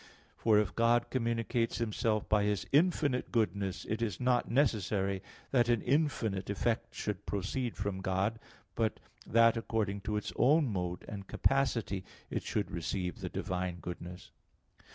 For if God communicates Himself by His infinite goodness, it is not necessary that an infinite effect should proceed from God: but that according to its own mode and capacity it should receive the divine goodness.